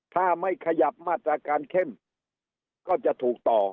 ถ้าไม่ขยับมาตรการเข้มก็จะถูกต่อ